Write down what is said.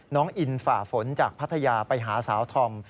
น้องอินฝ่าฝนจากพัทยาไปหาสาวธอม